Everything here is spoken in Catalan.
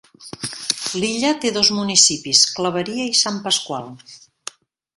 L'illa té dos municipis, Clavería i San Pascual.